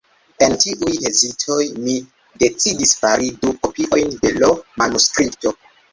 En tiuj hezitoj, mi decidis fari du kopiojn de l' manuskripto.